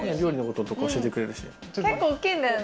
結構大きいんだよね。